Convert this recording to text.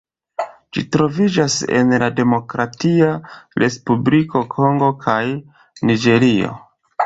Ĝi troviĝas en la Demokratia Respubliko Kongo kaj Niĝerio.